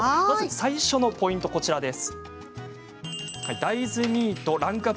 最初のポイントです。